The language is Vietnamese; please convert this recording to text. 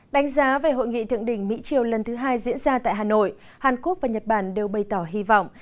đánh giá về hội nghị thượng đỉnh mỹ triều lần thứ hai diễn ra tại hà nội hàn quốc và nhật bản đều bày tỏ hy vọng